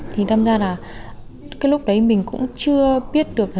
thì đâm ra là cái lúc đấy mình cũng chưa biết được